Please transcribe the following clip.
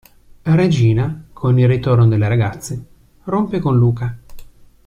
Regina, con il ritorno delle ragazze, rompe con Luca.